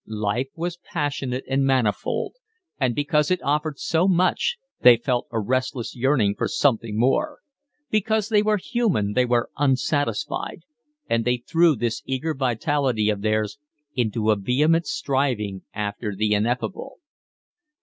Life was passionate and manifold, and because it offered so much they felt a restless yearning for something more; because they were human they were unsatisfied; and they threw this eager vitality of theirs into a vehement striving after the ineffable.